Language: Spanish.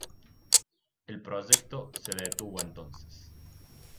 El proyecto se detuvo entonces.